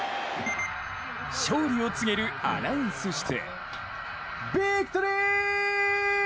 勝利を告げるアナウンス室。